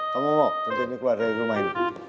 kamu mau centini keluar dari rumah ini